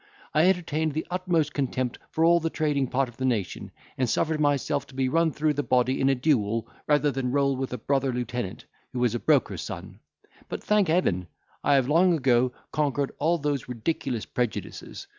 I entertained the utmost contempt for all the trading part of the nation, and suffered myself to be run through the body in a duel, rather than roll with a brother lieutenant, who was a broker's son. But, thank Heaven! I have long ago conquered all those ridiculous prejudices.